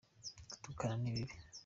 Gutukana ni bibi.